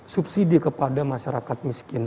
subsidi kepada masyarakat miskin